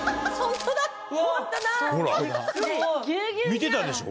見てたでしょ？